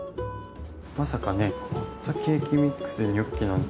まさかねホットケーキミックスでニョッキなんて。